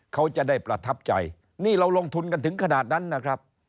เขาจะได้ประทับใจนี่เราลงทุนกันถึงขนาดนั้นนะครับ